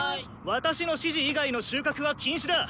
私の指示以外の収穫は禁止だ！